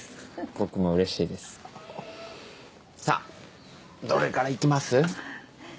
僕もうれしいですさあどれからいきます？